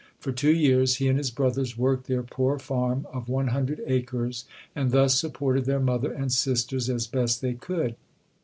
For two years, he and his brothers worked their poor farm of one hundred acres and thus supported their mother and sisters as best they could.